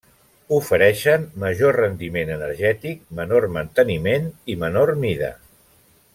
Ofereixen major rendiment energètic, menor manteniment i menor mida.